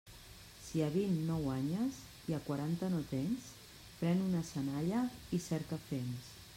Si a vint no guanyes i a quaranta no tens, pren una senalla i cerca fems.